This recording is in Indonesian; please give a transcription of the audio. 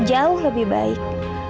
jauh lebih baik